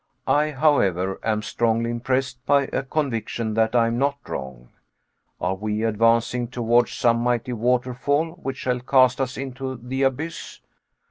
I, however, am strongly impressed by a conviction that I am not wrong. Are we advancing towards some mighty waterfall which shall cast us into the abyss?